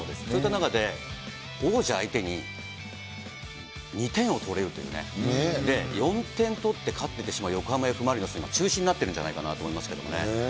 そういった中で、王者相手に２点を取れるというね、４点取って勝ってしまう、横浜Ｆ・マリノスの中心になっているんじゃないかなと思いますけれどもね。